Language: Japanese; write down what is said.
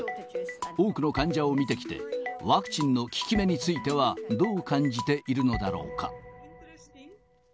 多くの患者を診てきて、ワクチンの効き目についてはどう感じているのだろうか。